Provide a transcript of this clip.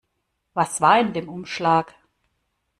Was war in dem Umschlag?